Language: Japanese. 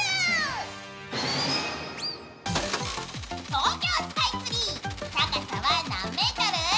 東京スカイツリー、高さは何ｍ？